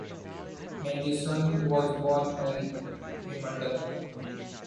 Malleson was born in Wimbledon.